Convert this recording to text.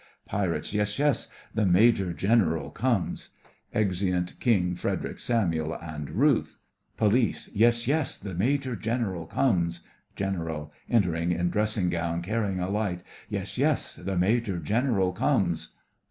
PIRATES: Yes, yes, the Major General comes! (Exeunt KING, FREDERIC, SAMUEL, and RUTH) POLICE: Yes, yes, the Major General comes! GENERAL: (entering in dressing gown, carrying a light) Yes, yes, the Major General comes!